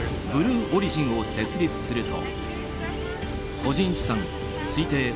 ブルー・オリジンを設立すると個人資産推定